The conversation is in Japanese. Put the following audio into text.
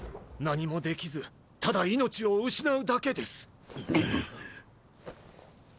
何もできずただ命を失うだけです。